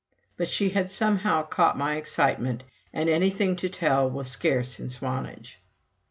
But she had somehow caught my excitement, and anything to tell was scarce in Swanage.